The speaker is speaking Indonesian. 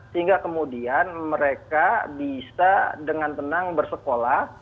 sehingga kemudian mereka bisa dengan tenang bersekolah